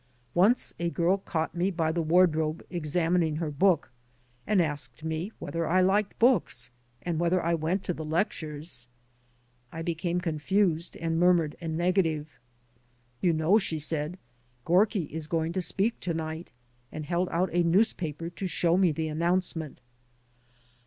Once a girl caught me by the wardrobe examining her book, and asked me whether I liked books and whether I went to the lectures. I became confused and murmured a negative. "You know," she said, "Gorky is going to speak to night,'' and held out a newspaper to show me the announcement.